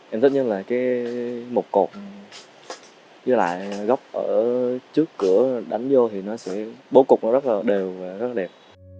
em thích nhất là cái mục cột với lại góc ở trước cửa đánh vô thì nó sẽ bố cục nó rất là đều và rất là đẹp